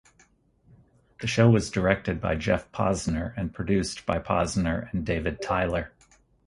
The show was directed by Geoff Posner and produced by Posner and David Tyler.